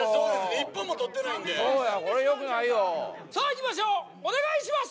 １本もとってないんでそうやこれよくないよさあいきましょうお願いします